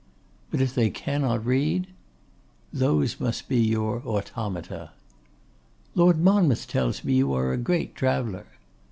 'But if they cannot read?' 'Those must be your automata.' 'Lord Monmouth tells me you are a great traveller?